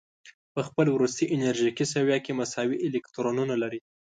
په خپل وروستي انرژیکي سویه کې مساوي الکترونونه لري.